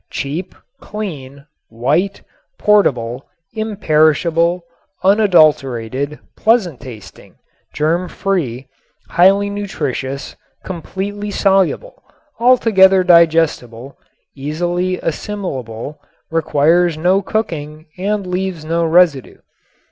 Cheap, clean, white, portable, imperishable, unadulterated, pleasant tasting, germ free, highly nutritious, completely soluble, altogether digestible, easily assimilable, requires no cooking and leaves no residue.